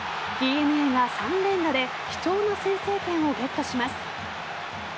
ＤｅＮＡが３連打で貴重な先制点をゲットします。